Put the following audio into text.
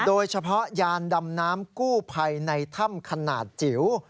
โดยเฉพาะยานดำน้ำกู้ภัยในถ้ำขนาดจิ๋ว